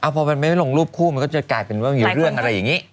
พอมันไม่ลงรูปคู่มันก็จะกลายเป็นว่ามีเรื่องอะไรอย่างนี้